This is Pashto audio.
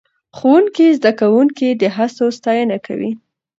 ښوونکی زده کوونکي د هڅو ستاینه کوي